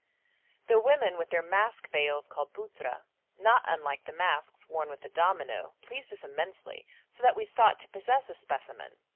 The women with their mask veils called buttra, not unlike the masks worn with a domino, pleased us immensely, so that we sought to possess a specimen.